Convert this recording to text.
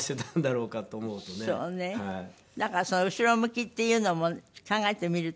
だからその後ろ向きっていうのも考えてみるとね。